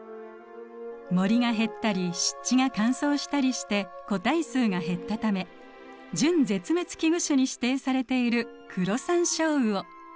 森が減ったり湿地が乾燥したりして個体数が減ったため準絶滅危惧種に指定されているクロサンショウウオ。